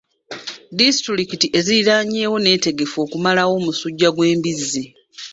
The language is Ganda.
Disitulikiti eziriraanyewo neetegefu okumalawo omusujja gw'embizzi.